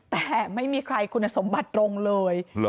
แต่ไม่มีใครคุณสมบัติตรงเลย